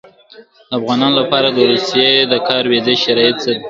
د افغانانو لپاره د روسیې د کار ویزې شرایط څه دي؟